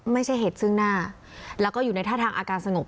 ไม่ใช่เหตุซึ่งหน้าแล้วก็อยู่ในท่าทางอาการสงบ